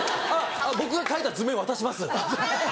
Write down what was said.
僕が描いた図面渡します。